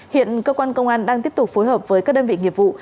hiện cơ quan công an đang tiếp tục phối hợp với các đơn vị nghiệp vụ